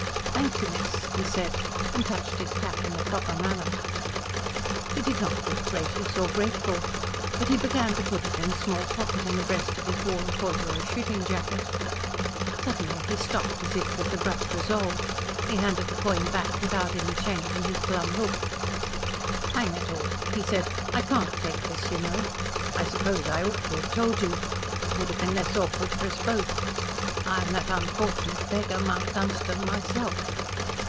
"Thank you, miss," he said, and touched his cap in the proper manner. He did not look gracious or grateful, but he began to put it in a small pocket in the breast of his worn corduroy shooting jacket. Suddenly he stopped, as if with abrupt resolve. He handed the coin back without any change of his glum look. "Hang it all," he said, "I can't take this, you know. I suppose I ought to have told you. It would have been less awkward for us both. I am that unfortunate beggar, Mount Dunstan, myself."